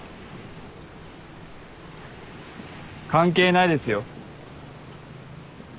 関係ないですよ。